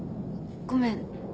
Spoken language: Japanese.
ごめん。